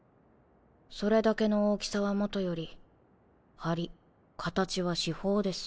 それだけの大きさはもとより張り形は至宝です。